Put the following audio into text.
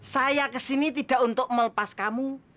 saya kesini tidak untuk melepas kamu